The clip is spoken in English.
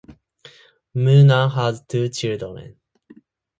Muna has two children.